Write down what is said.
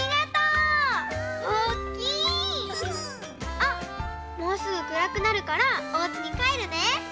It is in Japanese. あっもうすぐくらくなるからおうちにかえるね！